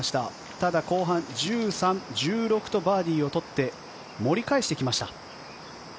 ただ、後半１３、１６とバーディーを取って盛り返してきました。